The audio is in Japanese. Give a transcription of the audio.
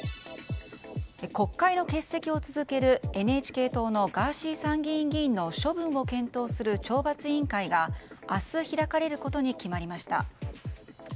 国会の欠席を続けるＮＨＫ党のガーシー参議院議員の処分を検討する懲罰委員会が明日開かれることに決まりました。